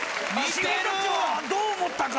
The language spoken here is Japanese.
「君たちはどう思ったか」